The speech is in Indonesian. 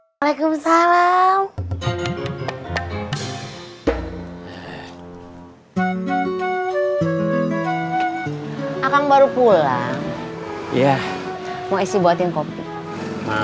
assalamualaikum warahmatullahi wabarakatuh